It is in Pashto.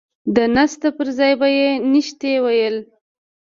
د نسته پر ځاى به يې نيشتې ويل.